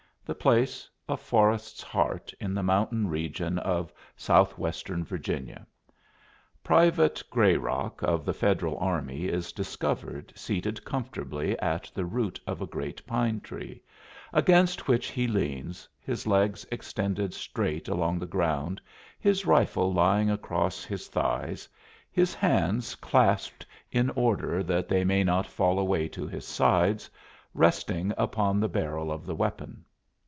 The place, a forest's heart in the mountain region of southwestern Virginia. Private Grayrock of the Federal Army is discovered seated comfortably at the root of a great pine tree, against which he leans, his legs extended straight along the ground, his rifle lying across his thighs, his hands (clasped in order that they may not fall away to his sides) resting upon the barrel of the weapon.